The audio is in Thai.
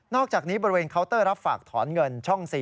อกจากนี้บริเวณเคาน์เตอร์รับฝากถอนเงินช่อง๔